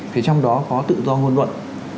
thì trong đó có tự do ngôn luận